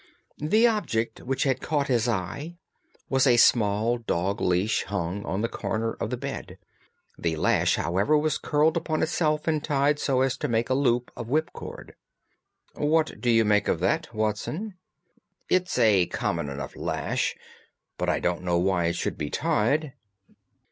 The object which had caught his eye was a small dog lash hung on one corner of the bed. The lash, however, was curled upon itself and tied so as to make a loop of whipcord. "What do you make of that, Watson?" "It's a common enough lash. But I don't know why it should be tied."